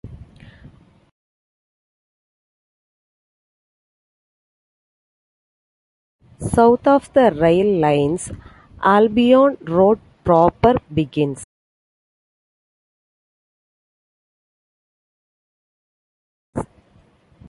South of the rail lines Albion Road proper begins.